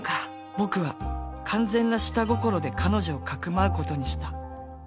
僕は完全な下心で彼女を匿うことにした